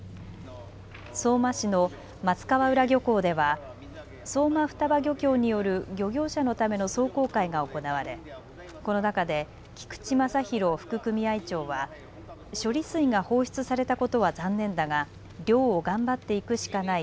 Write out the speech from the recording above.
相馬市の松川浦漁港では相馬双葉漁協による漁業者のための壮行会が行われこの中で菊地昌博副組合長は処理水が放出されたことは残念だが漁を頑張っていくしかない。